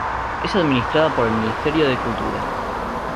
Es administrada por el Ministerio de Cultura.